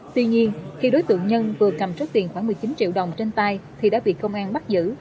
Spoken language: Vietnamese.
tuy nhiên khi đối tượng nhân vừa cầm số tiền khoảng một mươi chín triệu đồng trên tay thì đã bị công an bắt giữ